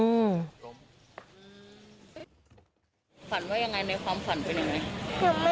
อืม